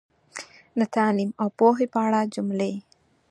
د تعلیم او پوهې په اړه جملې